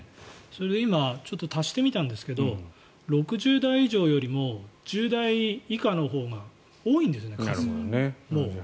今、足してみたんですけど６０代以上よりも１０代以下のほうが多いんですね、数が。